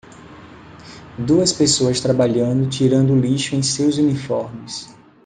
Duas pessoas trabalhando tirando o lixo em seus uniformes.